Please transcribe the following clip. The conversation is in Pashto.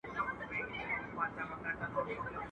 o پخوا به مړانه په سيالي وه، اوس سپيتانه په سيالي ده.